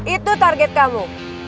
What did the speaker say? itu target kamu